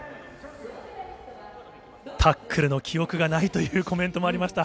タックルの記憶がないというコメントもありました。